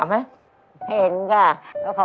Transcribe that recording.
สวัสดีครับ